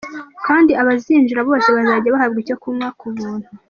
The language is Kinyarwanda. Kandi abazinjira bose bazajya bahabwa icyo kunywa cy’ubuntu”.